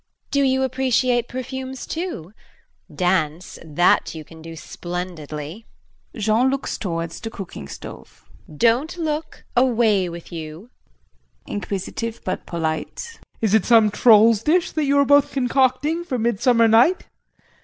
Do you appreciate perfumes too? Dance that you can do splendidly. [Jean looks towards the cooking stove]. Don't look. Away with you. JEAN [Inquisitive but polite]. Is it some troll's dish that you are both concocting for midsummer night?